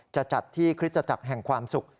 จะจัดที่คริสตจักรแห่งความสุข